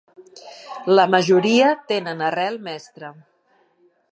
La majoria tenen arrel mestra.